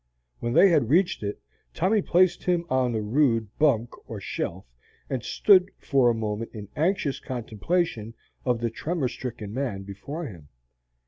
When they had reached it, Tommy placed him on a rude "bunk," or shelf, and stood for a moment in anxious contemplation of the tremor stricken man before him.